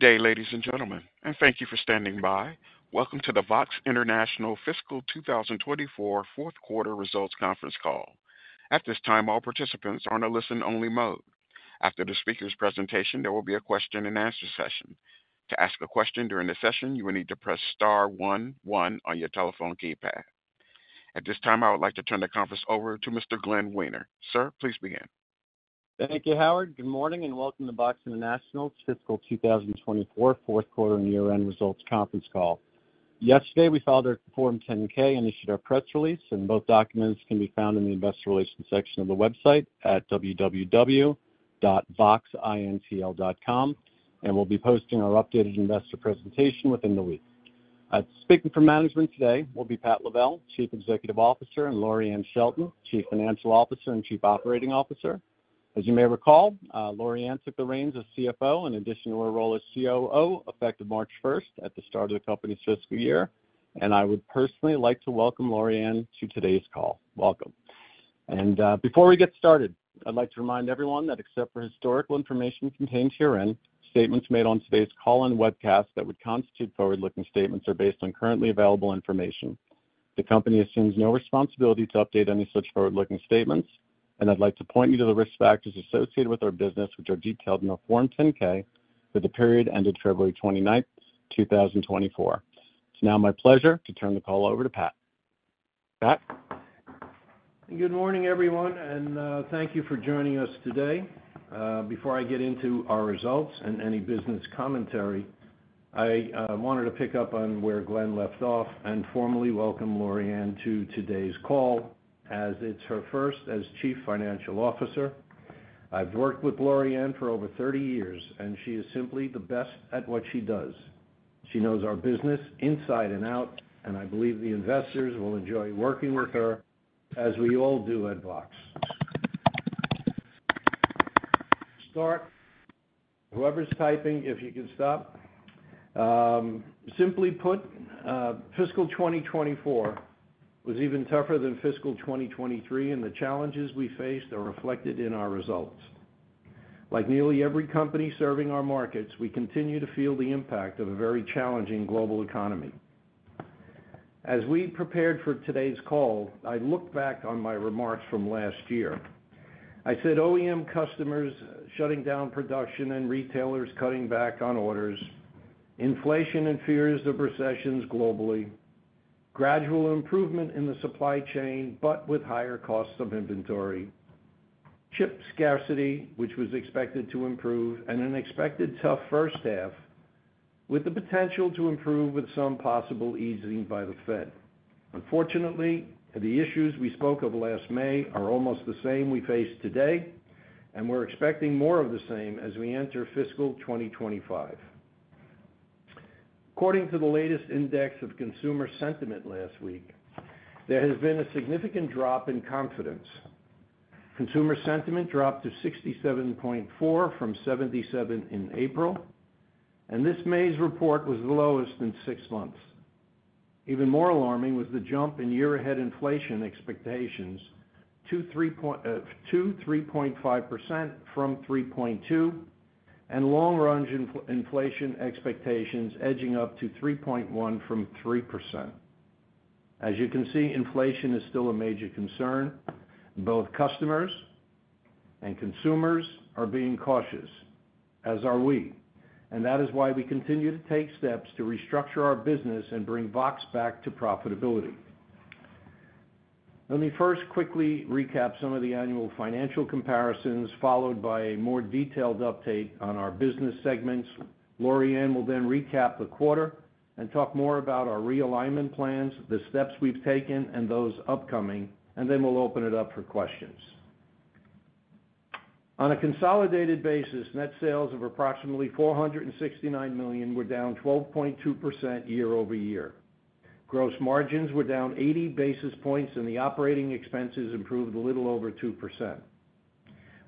Good day, ladies and gentlemen, and thank you for standing by. Welcome to the VOXX International Fiscal 2024 Fourth Quarter Results Conference Call. At this time, all participants are on a listen-only mode. After the speaker's presentation, there will be a question-and-answer session. To ask a question during the session, you will need to press star one one on your telephone keypad. At this time, I would like to turn the conference over to Mr. Glenn Wiener. Sir, please begin. Thank you, Howard. Good morning, and welcome to VOXX International's Fiscal 2024 Fourth Quarter and Year-End Results Conference Call. Yesterday, we filed our Form 10-K and issued our press release, and both documents can be found in the Investor Relations section of the website at www.voxxintl.com, and we'll be posting our updated investor presentation within the week. Speaking for management today will be Pat Lavelle, Chief Executive Officer, and Loriann Shelton, Chief Financial Officer and Chief Operating Officer. As you may recall, Loriann took the reins as CFO in addition to her role as COO, effective March 1st at the start of the company's fiscal year, and I would personally like to welcome Loriann to today's call. Welcome. Before we get started, I'd like to remind everyone that except for historical information contained herein, statements made on today's call and webcast that would constitute forward-looking statements are based on currently available information. The company assumes no responsibility to update any such forward-looking statements, and I'd like to point you to the risk factors associated with our business, which are detailed in our Form 10-K for the period ended February 29, 2024. It's now my pleasure to turn the call over to Pat. Pat? Good morning, everyone, and thank you for joining us today. Before I get into our results and any business commentary, I wanted to pick up on where Glenn left off and formally welcome Loriann to today's call, as it's her first as Chief Financial Officer. I've worked with Loriann for over 30 years, and she is simply the best at what she does. She knows our business inside and out, and I believe the investors will enjoy working with her, as we all do at VOXX. Start. Whoever's typing, if you could stop. Simply put, fiscal 2024 was even tougher than fiscal 2023, and the challenges we faced are reflected in our results. Like nearly every company serving our markets, we continue to feel the impact of a very challenging global economy. As we prepared for today's call, I looked back on my remarks from last year. I said OEM customers shutting down production and retailers cutting back on orders, inflation and fears of recessions globally, gradual improvement in the supply chain, but with higher costs of inventory, chip scarcity, which was expected to improve, and an expected tough first half, with the potential to improve with some possible easing by the Fed. Unfortunately, the issues we spoke of last May are almost the same we face today, and we're expecting more of the same as we enter fiscal 2025. According to the latest index of consumer sentiment last week, there has been a significant drop in confidence. Consumer sentiment dropped to 67.4 from 77 in April, and this May's report was the lowest in six months. Even more alarming was the jump in year-ahead inflation expectations, 2.35% from 3.2%, and long-range inflation expectations edging up to 3.1% from 3%. As you can see, inflation is still a major concern. Both customers and consumers are being cautious, as are we, and that is why we continue to take steps to restructure our business and bring VOXX back to profitability. Let me first quickly recap some of the annual financial comparisons, followed by a more detailed update on our business segments. Loriann will then recap the quarter and talk more about our realignment plans, the steps we've taken, and those upcoming, and then we'll open it up for questions. On a consolidated basis, net sales of approximately $469 million were down 12.2% year-over-year. Gross margins were down 80 basis points, and the operating expenses improved a little over 2%.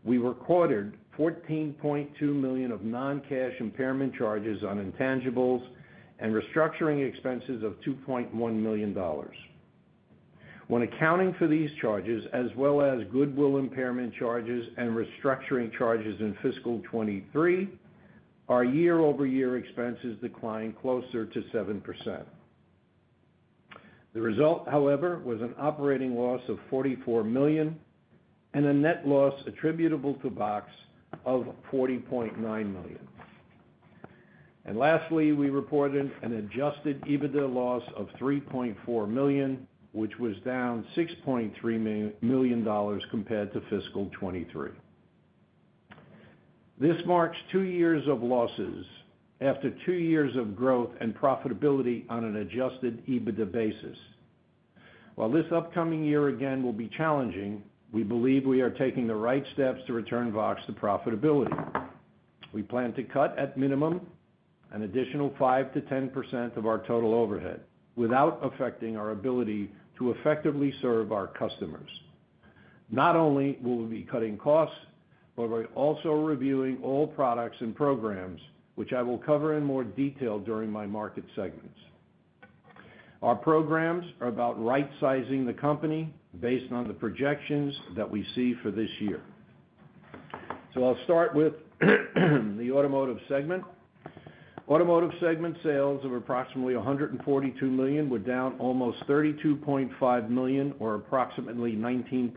We recorded $14.2 million of non-cash impairment charges on intangibles and restructuring expenses of $2.1 million. When accounting for these charges, as well as goodwill impairment charges and restructuring charges in fiscal 2023, our year-over-year expenses declined closer to 7%. The result, however, was an operating loss of $44 million and a net loss attributable to VOXX of $40.9 million. And lastly, we reported an adjusted EBITDA loss of $3.4 million, which was down $6.3 million compared to fiscal 2023. This marks two years of losses after two years of growth and profitability on an adjusted EBITDA basis. While this upcoming year again will be challenging, we believe we are taking the right steps to return VOXX to profitability. We plan to cut, at minimum, an additional 5%-10% of our total overhead without affecting our ability to effectively serve our customers. Not only will we be cutting costs, but we're also reviewing all products and programs, which I will cover in more detail during my market segments. Our programs are about right-sizing the company based on the projections that we see for this year. I'll start with the automotive segment. Automotive segment sales of approximately $142 million were down almost $32.5 million, or approximately 19%.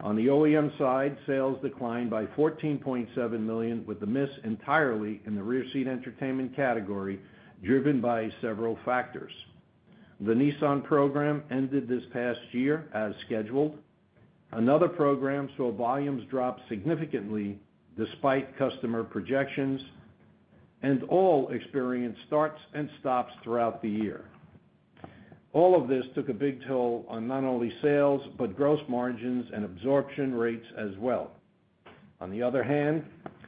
On the OEM side, sales declined by $14.7 million, with the miss entirely in the rear seat entertainment category, driven by several factors. The Nissan program ended this past year as scheduled. Another program saw volumes drop significantly despite customer projections, and all experienced starts and stops throughout the year. All of this took a big toll on not only sales, but gross margins and absorption rates as well. On the other hand,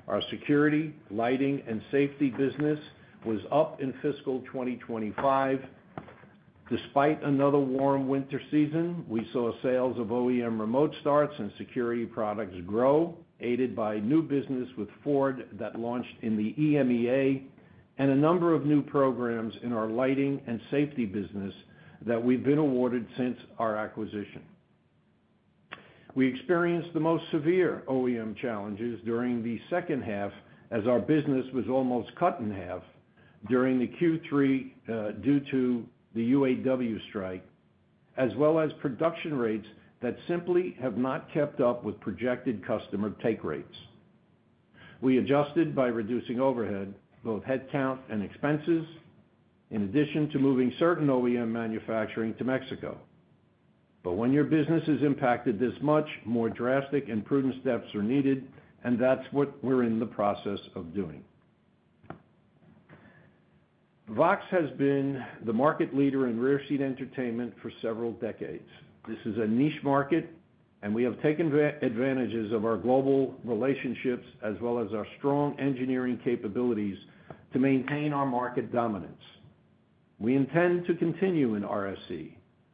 our security, lighting, and safety business was up in fiscal 2025. Despite another warm winter season, we saw sales of OEM remote starts and security products grow, aided by new business with Ford that launched in the EMEA, and a number of new programs in our lighting and safety business that we've been awarded since our acquisition. We experienced the most severe OEM challenges during the second half, as our business was almost cut in half during the Q3, due to the UAW strike, as well as production rates that simply have not kept up with projected customer take rates. We adjusted by reducing overhead, both headcount and expenses, in addition to moving certain OEM manufacturing to Mexico. But when your business is impacted this much, more drastic and prudent steps are needed, and that's what we're in the process of doing. VOXX has been the market leader in rear seat entertainment for several decades. This is a niche market, and we have taken advantages of our global relationships, as well as our strong engineering capabilities to maintain our market dominance. We intend to continue in RSE,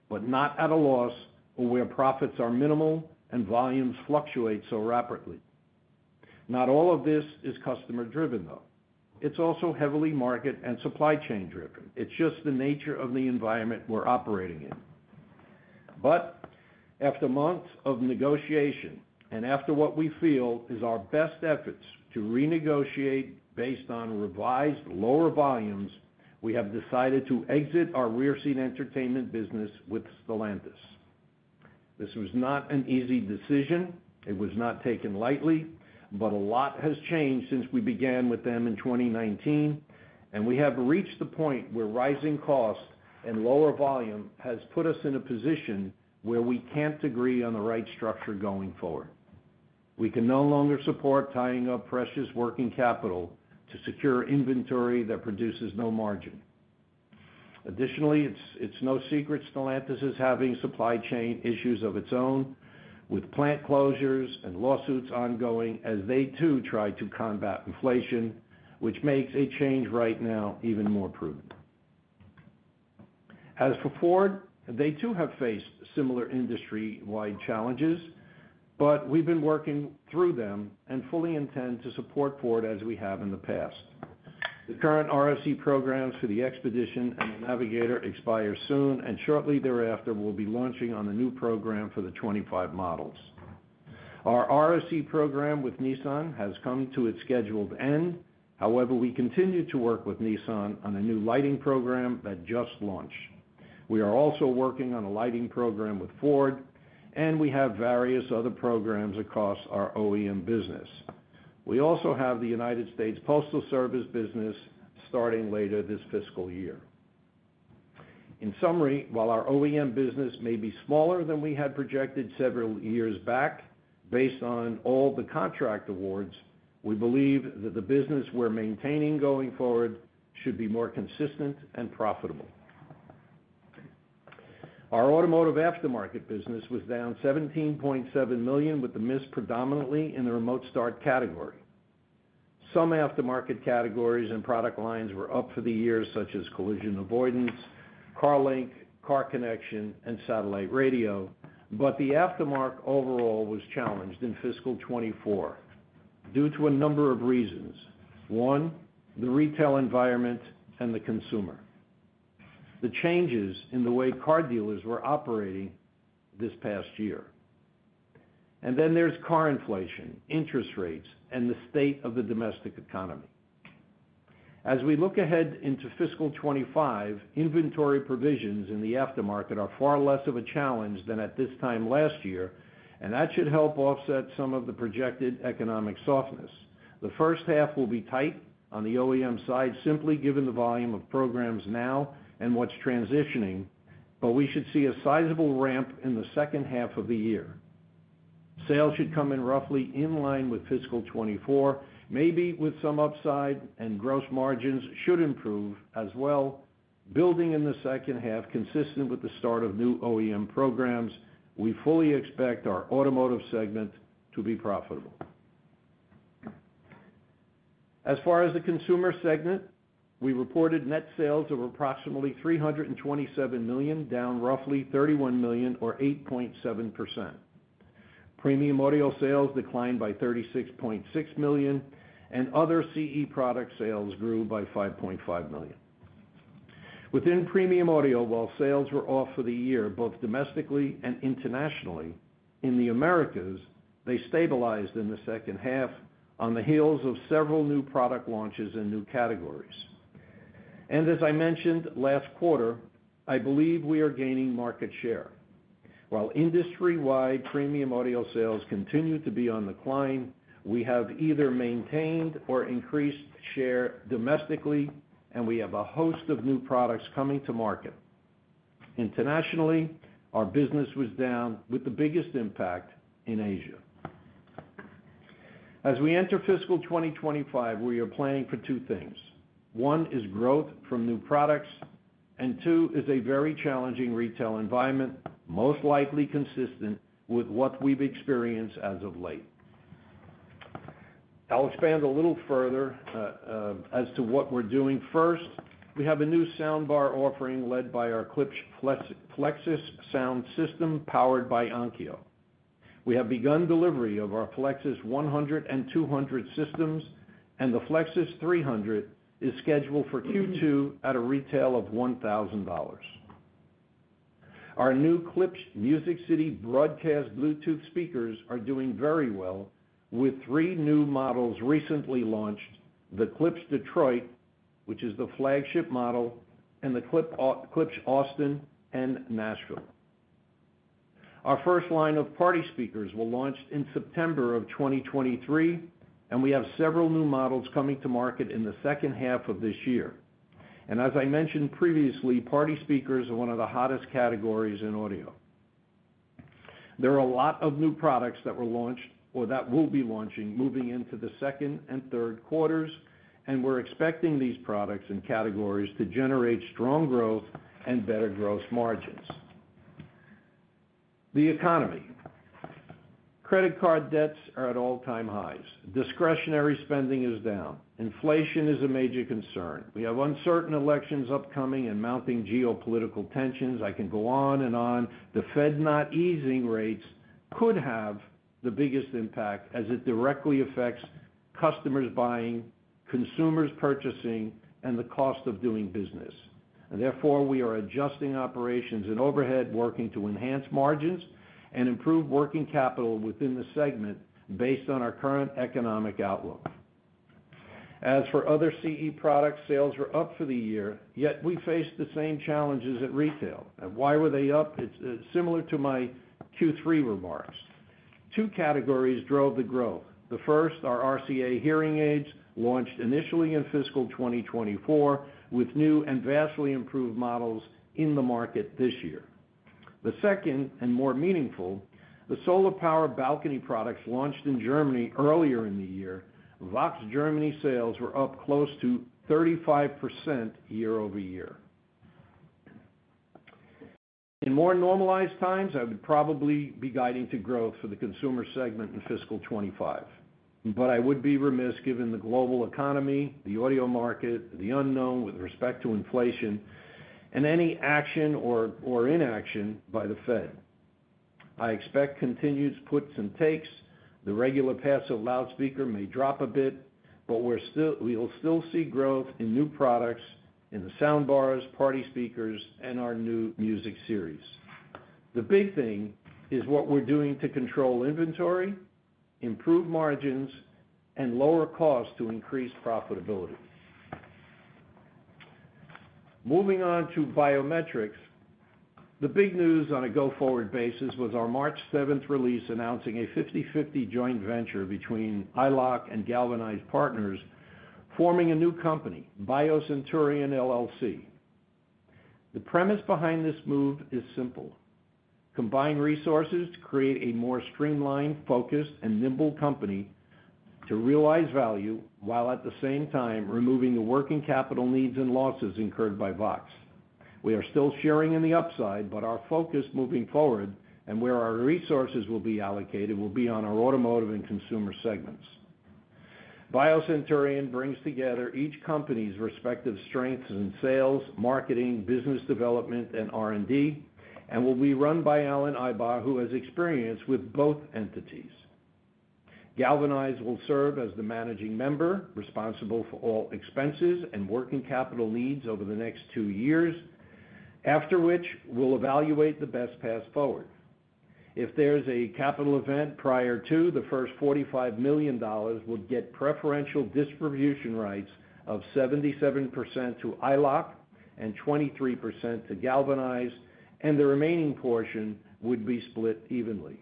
but not at a loss or where profits are minimal and volumes fluctuate so rapidly. Not all of this is customer-driven, though. It's also heavily market and supply chain-driven. It's just the nature of the environment we're operating in. But after months of negotiation, and after what we feel is our best efforts to renegotiate based on revised, lower volumes, we have decided to exit our rear seat entertainment business with Stellantis. This was not an easy decision. It was not taken lightly, but a lot has changed since we began with them in 2019, and we have reached the point where rising costs and lower volume has put us in a position where we can't agree on the right structure going forward. We can no longer support tying up precious working capital to secure inventory that produces no margin. Additionally, it's no secret Stellantis is having supply chain issues of its own, with plant closures and lawsuits ongoing as they, too, try to combat inflation, which makes a change right now even more prudent. As for Ford, they, too, have faced similar industry-wide challenges, but we've been working through them and fully intend to support Ford as we have in the past. The current RSE programs for the Expedition and the Navigator expire soon, and shortly thereafter, we'll be launching on a new program for the 2025 models. Our RSE program with Nissan has come to its scheduled end. However, we continue to work with Nissan on a new lighting program that just launched. We are also working on a lighting program with Ford, and we have various other programs across our OEM business. We also have the United States Postal Service business starting later this fiscal year. In summary, while our OEM business may be smaller than we had projected several years back, based on all the contract awards, we believe that the business we're maintaining going forward should be more consistent and profitable. Our automotive aftermarket business was down $17.7 million, with the miss predominantly in the remote start category. Some aftermarket categories and product lines were up for the year, such as collision avoidance, CarLink, Car Connection, and satellite radio. But the aftermarket overall was challenged in fiscal 2024 due to a number of reasons. One, the retail environment and the consumer, the changes in the way car dealers were operating this past year, and then there's car inflation, interest rates, and the state of the domestic economy. As we look ahead into fiscal 2025, inventory provisions in the aftermarket are far less of a challenge than at this time last year, and that should help offset some of the projected economic softness. The first half will be tight on the OEM side, simply given the volume of programs now and what's transitioning, but we should see a sizable ramp in the second half of the year. Sales should come in roughly in line with fiscal 2024, maybe with some upside, and gross margins should improve as well. Building in the second half, consistent with the start of new OEM programs, we fully expect our automotive segment to be profitable. As far as the consumer segment, we reported net sales of approximately $327 million, down roughly $31 million or 8.7%.... Premium audio sales declined by $36.6 million, and other CE product sales grew by $5.5 million. Within premium audio, while sales were off for the year, both domestically and internationally, in the Americas, they stabilized in the second half on the heels of several new product launches and new categories. As I mentioned last quarter, I believe we are gaining market share. While industry-wide premium audio sales continue to be on the decline, we have either maintained or increased share domestically, and we have a host of new products coming to market. Internationally, our business was down, with the biggest impact in Asia. As we enter fiscal 2025, we are planning for two things. One is growth from new products, and two is a very challenging retail environment, most likely consistent with what we've experienced as of late. I'll expand a little further as to what we're doing. First, we have a new soundbar offering led by our Klipsch Flexus sound system, powered by Onkyo. We have begun delivery of our Flexus 100 and 200 systems, and the Flexus 300 is scheduled for Q2 at a retail of $1,000. Our new Klipsch Music City portable Bluetooth speakers are doing very well, with three new models recently launched: the Klipsch Detroit, which is the flagship model, and the Klipsch Austin and Nashville. Our first line of party speakers were launched in September of 2023, and we have several new models coming to market in the second half of this year. As I mentioned previously, party speakers are one of the hottest categories in audio. There are a lot of new products that were launched or that will be launching, moving into the second and third quarters, and we're expecting these products and categories to generate strong growth and better gross margins. The economy. Credit card debts are at all-time highs. Discretionary spending is down. Inflation is a major concern. We have uncertain elections upcoming and mounting geopolitical tensions. I can go on and on. The Fed not easing rates could have the biggest impact, as it directly affects customers buying, consumers purchasing, and the cost of doing business. Therefore, we are adjusting operations and overhead, working to enhance margins and improve working capital within the segment based on our current economic outlook. As for other CE products, sales were up for the year, yet we faced the same challenges at retail. And why were they up? It's similar to my Q3 remarks. Two categories drove the growth. The first are RCA hearing aids, launched initially in fiscal 2024, with new and vastly improved models in the market this year. The second, and more meaningful, the solar-powered balcony products launched in Germany earlier in the year, VOXX Germany sales were up close to 35% year-over-year. In more normalized times, I would probably be guiding to growth for the consumer segment in fiscal 2025, but I would be remiss, given the global economy, the audio market, the unknown with respect to inflation, and any action or inaction by the Fed. I expect continued puts and takes. The regular passive loudspeaker may drop a bit, but we're still, we'll still see growth in new products, in the soundbars, party speakers, and our new music series. The big thing is what we're doing to control inventory, improve margins, and lower costs to increase profitability. Moving on to biometrics. The big news on a go-forward basis was our March 7th release, announcing a 50/50 joint venture between EyeLock and Galvanize Partners, forming a new company, BioCenturion LLC. The premise behind this move is simple: combine resources to create a more streamlined, focused, and nimble company to realize value, while at the same time removing the working capital needs and losses incurred by VOXX. We are still sharing in the upside, but our focus moving forward, and where our resources will be allocated, will be on our automotive and consumer segments. BioCenturion brings together each company's respective strengths in sales, marketing, business development, and R&D, and will be run by Allen Ibaugh, who has experience with both entities. Galvanize will serve as the managing member, responsible for all expenses and working capital needs over the next two years, after which we'll evaluate the best path forward. If there's a capital event prior to, the first $45 million would get preferential distribution rights of 77% to EyeLock and 23% to Galvanize, and the remaining portion would be split evenly.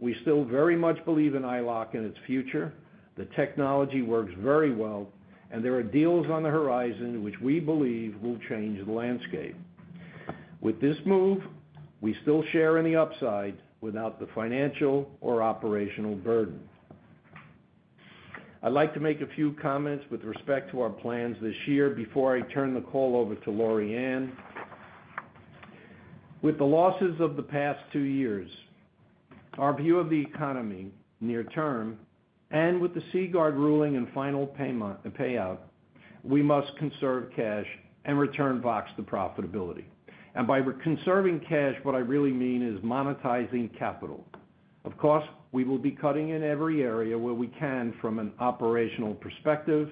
We still very much believe in EyeLock and its future. The technology works very well, and there are deals on the horizon which we believe will change the landscape. With this move, we still share in the upside without the financial or operational burden. I'd like to make a few comments with respect to our plans this year before I turn the call over to Loriann. With the losses of the past two years, our view of the economy near term, and with the Seaguard ruling and final payout, we must conserve cash and return VOXX to profitability. And by conserving cash, what I really mean is monetizing capital. Of course, we will be cutting in every area where we can from an operational perspective.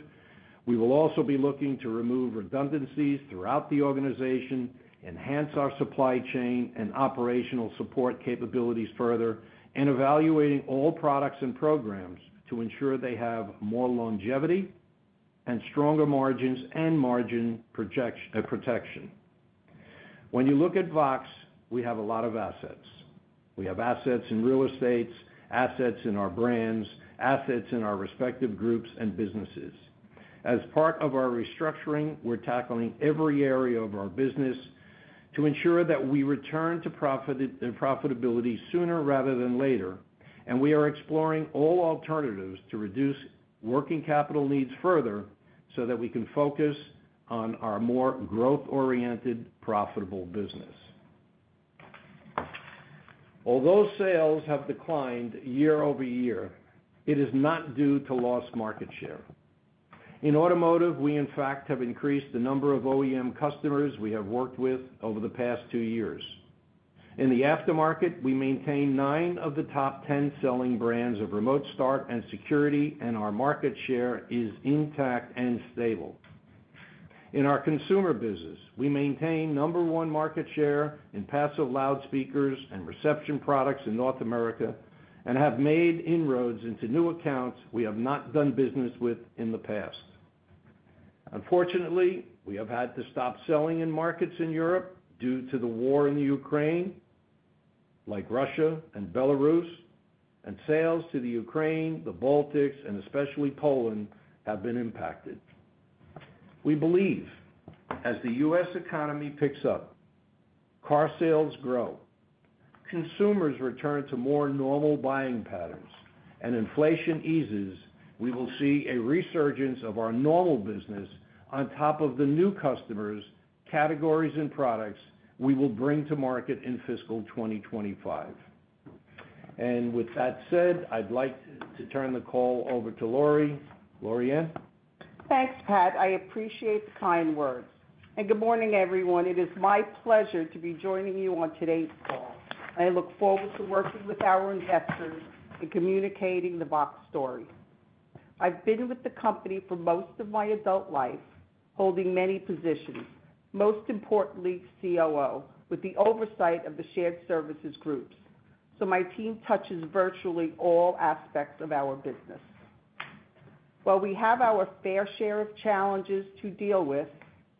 We will also be looking to remove redundancies throughout the organization, enhance our supply chain and operational support capabilities further, and evaluating all products and programs to ensure they have more longevity and stronger margins and margin project-- protection. When you look at VOXX, we have a lot of assets. We have assets in real estates, assets in our brands, assets in our respective groups and businesses. As part of our restructuring, we're tackling every area of our business to ensure that we return to profit-- profitability sooner rather than later, and we are exploring all alternatives to reduce working capital needs further, so that we can focus on our more growth-oriented, profitable business. Although sales have declined year-over-year, it is not due to lost market share. In automotive, we in fact have increased the number of OEM customers we have worked with over the past two years. In the aftermarket, we maintain nine of the top 10 selling brands of remote start and security, and our market share is intact and stable. In our consumer business, we maintain number one market share in passive loudspeakers and reception products in North America, and have made inroads into new accounts we have not done business with in the past. Unfortunately, we have had to stop selling in markets in Europe due to the war in the Ukraine, like Russia and Belarus, and sales to the Ukraine, the Baltics, and especially Poland, have been impacted. We believe, as the U.S. economy picks up, car sales grow, consumers return to more normal buying patterns, and inflation eases, we will see a resurgence of our normal business on top of the new customers, categories, and products we will bring to market in fiscal 2025. With that said, I'd like to turn the call over to Loriann. Loriann? Thanks, Pat. I appreciate the kind words. Good morning, everyone. It is my pleasure to be joining you on today's call. I look forward to working with our investors and communicating the VOXX story. I've been with the company for most of my adult life, holding many positions, most importantly, COO, with the oversight of the shared services groups, so my team touches virtually all aspects of our business. While we have our fair share of challenges to deal with,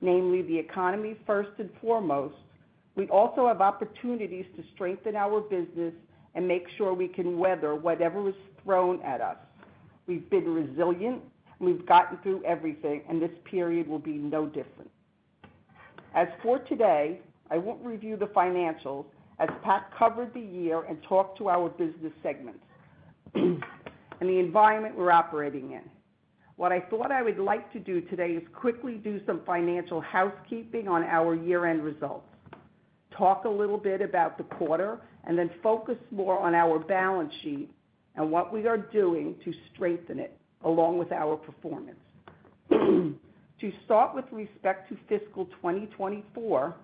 namely the economy, first and foremost, we also have opportunities to strengthen our business and make sure we can weather whatever is thrown at us. We've been resilient, and we've gotten through everything, and this period will be no different. As for today, I won't review the financials, as Pat covered the year and talked to our business segments, and the environment we're operating in. What I thought I would like to do today is quickly do some financial housekeeping on our year-end results, talk a little bit about the quarter, and then focus more on our balance sheet and what we are doing to strengthen it, along with our performance. To start with respect to fiscal 2024,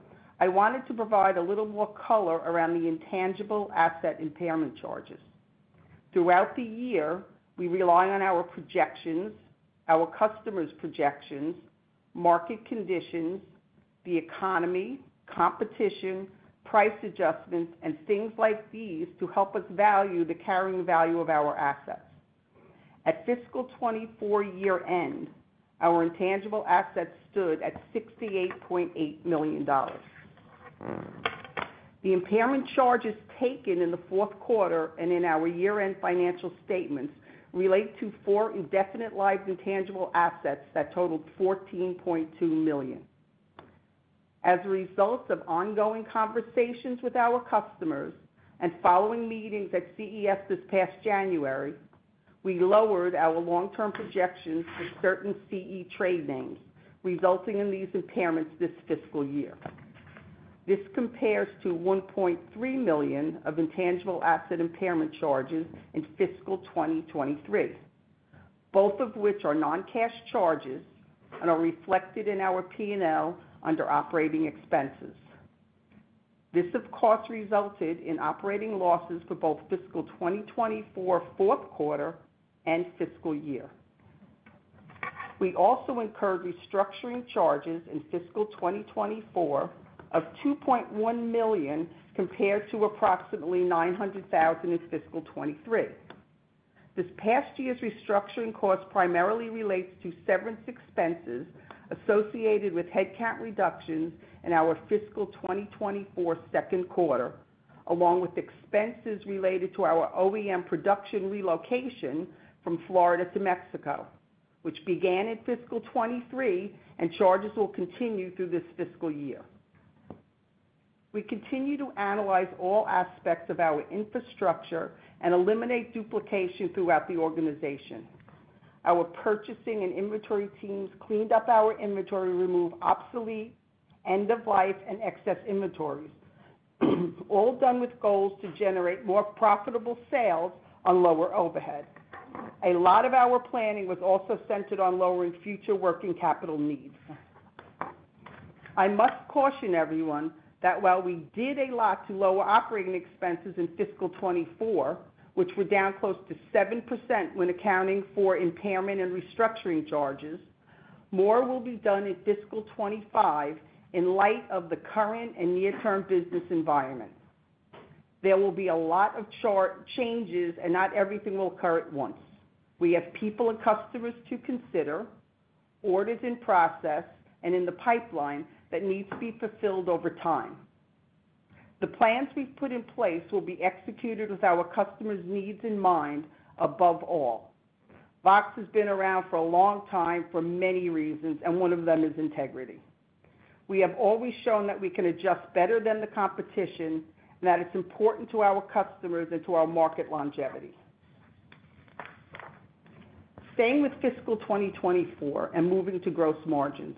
I wanted to provide a little more color around the intangible asset impairment charges. Throughout the year, we rely on our projections, our customers' projections, market conditions, the economy, competition, price adjustments, and things like these to help us value the carrying value of our assets. At fiscal 2024 year-end, our intangible assets stood at $68.8 million. The impairment charges taken in the fourth quarter and in our year-end financial statements relate to four indefinite lived intangible assets that totaled $14.2 million. As a result of ongoing conversations with our customers and following meetings at CES this past January, we lowered our long-term projections for certain CE trade names, resulting in these impairments this fiscal year. This compares to $1.3 million of intangible asset impairment charges in fiscal 2023, both of which are non-cash charges and are reflected in our P&L under operating expenses. This, of course, resulted in operating losses for both fiscal 2024 fourth quarter and fiscal year. We also incurred restructuring charges in fiscal 2024 of $2.1 million, compared to approximately $900,000 in fiscal 2023. This past year's restructuring cost primarily relates to severance expenses associated with headcount reductions in our fiscal 2024 second quarter, along with expenses related to our OEM production relocation from Florida to Mexico, which began in fiscal 2023, and charges will continue through this fiscal year. We continue to analyze all aspects of our infrastructure and eliminate duplication throughout the organization. Our purchasing and inventory teams cleaned up our inventory, removed obsolete, end-of-life, and excess inventories... all done with goals to generate more profitable sales on lower overhead. A lot of our planning was also centered on lowering future working capital needs. I must caution everyone that while we did a lot to lower operating expenses in fiscal 2024, which were down close to 7% when accounting for impairment and restructuring charges, more will be done in fiscal 2025 in light of the current and near-term business environment. There will be a lot of chart changes, and not everything will occur at once. We have people and customers to consider, orders in process, and in the pipeline that needs to be fulfilled over time. The plans we've put in place will be executed with our customers' needs in mind, above all. VOXX has been around for a long time for many reasons, and one of them is integrity. We have always shown that we can adjust better than the competition, and that it's important to our customers and to our market longevity. Staying with fiscal 2024 and moving to gross margins.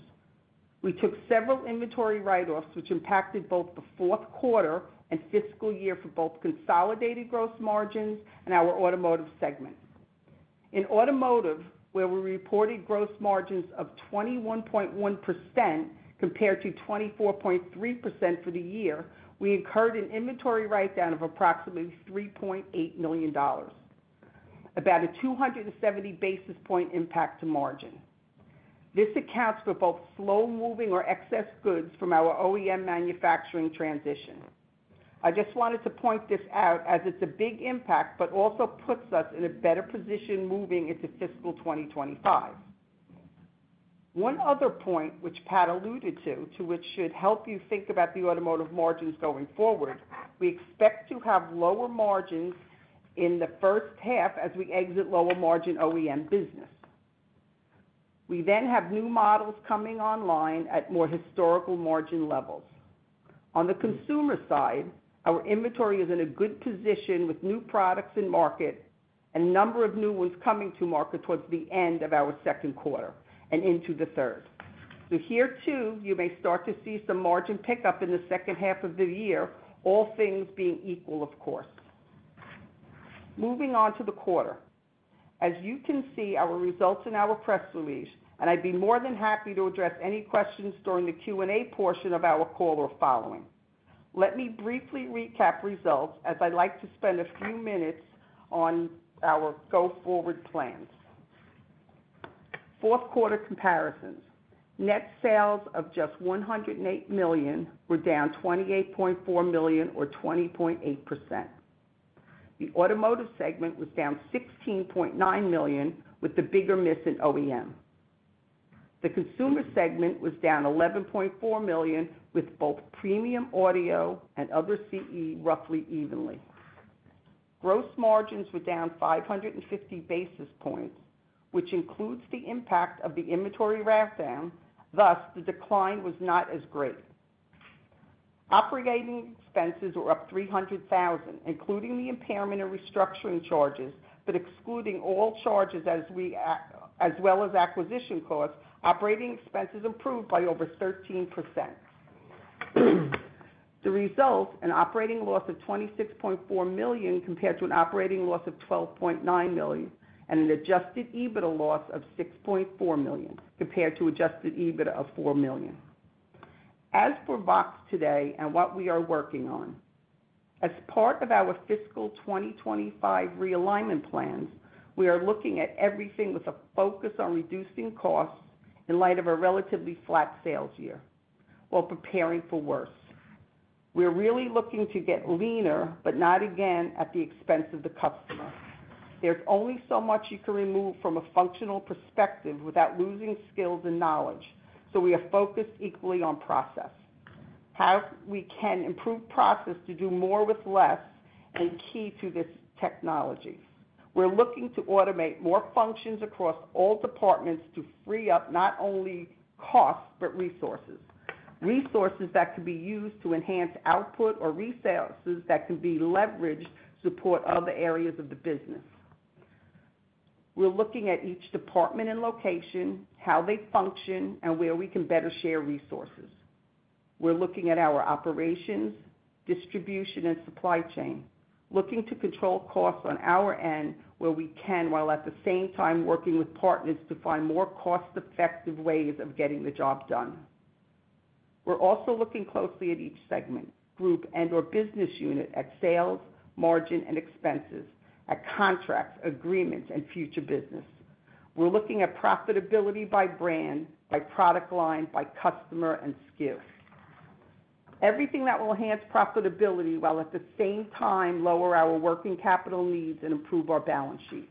We took several inventory write-offs, which impacted both the fourth quarter and fiscal year for both consolidated gross margins and our automotive segment. In automotive, where we reported gross margins of 21.1% compared to 24.3% for the year, we incurred an inventory write-down of approximately $3.8 million, about a 270 basis point impact to margin. This accounts for both slow-moving or excess goods from our OEM manufacturing transition. I just wanted to point this out as it's a big impact, but also puts us in a better position moving into fiscal 2025. One other point, which Pat alluded to, to which should help you think about the automotive margins going forward, we expect to have lower margins in the first half as we exit lower-margin OEM business. We then have new models coming online at more historical margin levels. On the consumer side, our inventory is in a good position with new products in market and a number of new ones coming to market towards the end of our second quarter and into the third. So here, too, you may start to see some margin pickup in the second half of the year, all things being equal, of course. Moving on to the quarter. As you can see, our results in our press release, and I'd be more than happy to address any questions during the Q&A portion of our call or following. Let me briefly recap results, as I'd like to spend a few minutes on our go-forward plans. Fourth quarter comparisons. Net sales of just $108 million were down $28.4 million, or 20.8%. The automotive segment was down $16.9 million, with the bigger miss in OEM. The consumer segment was down $11.4 million, with both premium audio and other CE roughly evenly. Gross margins were down 550 basis points, which includes the impact of the inventory write-down, thus, the decline was not as great. Operating expenses were up $300,000, including the impairment and restructuring charges, but excluding all charges as well as acquisition costs, operating expenses improved by over 13%. The result, an operating loss of $26.4 million, compared to an operating loss of $12.9 million, and an adjusted EBITDA loss of $6.4 million, compared to adjusted EBITDA of $4 million. As for VOXX today and what we are working on, as part of our fiscal 2025 realignment plans, we are looking at everything with a focus on reducing costs in light of a relatively flat sales year, while preparing for worse. We're really looking to get leaner, but not again at the expense of the customer. There's only so much you can remove from a functional perspective without losing skills and knowledge, so we are focused equally on process. How we can improve process to do more with less, and key to this, technology. We're looking to automate more functions across all departments to free up not only costs, but resources. Resources that can be used to enhance output or resources that can be leveraged to support other areas of the business. We're looking at each department and location, how they function, and where we can better share resources. We're looking at our operations, distribution, and supply chain, looking to control costs on our end where we can, while at the same time working with partners to find more cost-effective ways of getting the job done. We're also looking closely at each segment, group, and/or business unit at sales, margin, and expenses, at contracts, agreements, and future business. We're looking at profitability by brand, by product line, by customer, and SKU. Everything that will enhance profitability while at the same time lower our working capital needs and improve our balance sheet.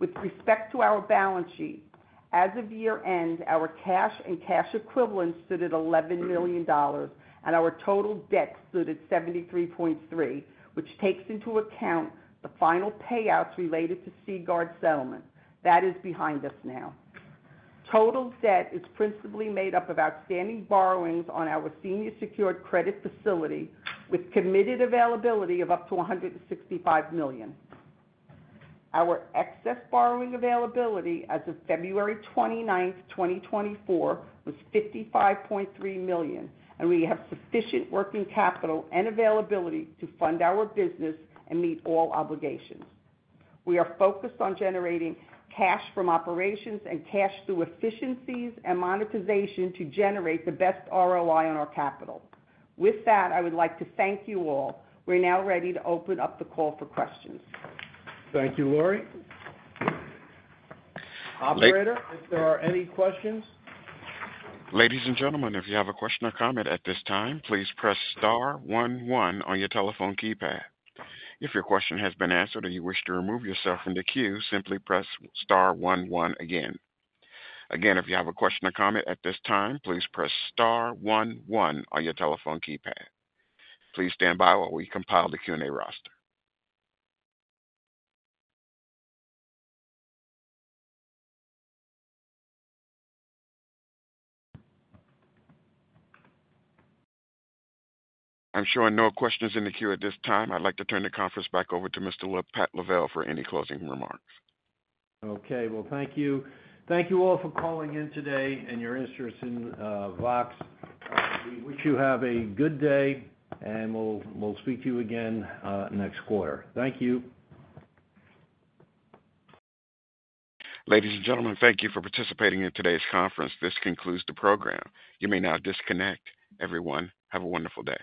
With respect to our balance sheet, as of year-end, our cash and cash equivalents sit at $11 million, and our total debt stood at $73.3 million, which takes into account the final payouts related to Seaguard settlement. That is behind us now. Total debt is principally made up of outstanding borrowings on our senior secured credit facility, with committed availability of up to $165 million. Our excess borrowing availability as of February 29, 2024, was $55.3 million, and we have sufficient working capital and availability to fund our business and meet all obligations. We are focused on generating cash from operations and cash through efficiencies and monetization to generate the best ROI on our capital. With that, I would like to thank you all. We're now ready to open up the call for questions. Thank you, Lori. Operator, if there are any questions? Ladies and gentlemen, if you have a question or comment at this time, please press star one one on your telephone keypad. If your question has been answered or you wish to remove yourself from the queue, simply press star one one again. Again, if you have a question or comment at this time, please press star one one on your telephone keypad. Please stand by while we compile the Q&A roster. I'm showing no questions in the queue at this time. I'd like to turn the conference back over to Mr. Pat Lavelle for any closing remarks. Okay, well, thank you. Thank you all for calling in today and your interest in VOXX. We wish you have a good day, and we'll, we'll speak to you again next quarter. Thank you. Ladies and gentlemen, thank you for participating in today's conference. This concludes the program. You may now disconnect. Everyone, have a wonderful day.